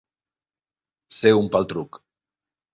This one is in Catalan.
Ser un paltruc.